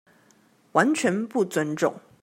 完全不尊重